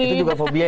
itu juga fobia ya